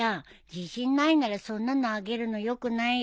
自信ないならそんなのあげるのよくないよ。